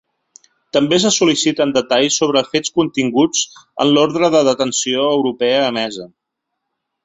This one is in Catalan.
També se sol·liciten detalls sobre fets continguts en l’ordre de detenció europea emesa.